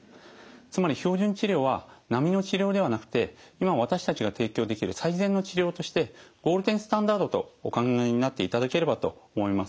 つまり標準治療は並みの治療ではなくて今私たちが提供できる最善の治療としてゴールデンスタンダードとお考えになっていただければと思います。